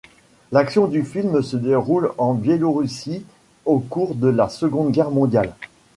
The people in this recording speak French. L'action du film se déroule en Biélorussie au cours de la Seconde Guerre mondiale.